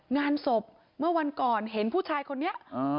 งานศพเมื่อวันก่อนเห็นผู้ชายคนนี้